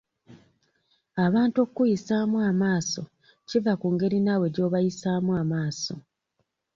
Abantu okkuyisaamu amaaso kiva ku ngeri naawe gy'obayisaamu amaaso.